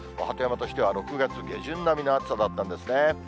鳩山としては６月下旬並みの暑さだったんですね。